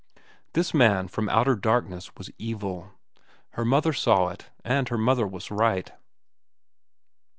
This man from outer darkness was evil. Her mother saw it, and her mother was right.